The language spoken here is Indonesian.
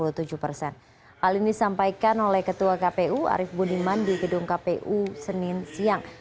hal ini disampaikan oleh ketua kpu arief budiman di gedung kpu senin siang